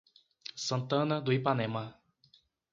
Santana do Ipanema